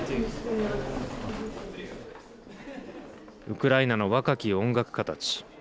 ウクライナの若き音楽家たち。